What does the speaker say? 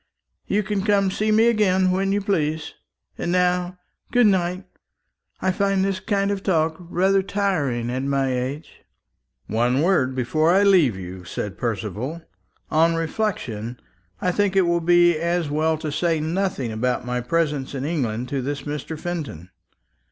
You can come and see me again when you please. And now good night. I find this kind of talk rather tiring at my age." "One word before I leave you," said Percival. "On reflection, I think it will be as well to say nothing about my presence in England to this Mr. Fenton.